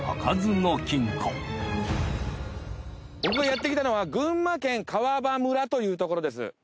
僕がやってきたのは群馬県川場村というところです。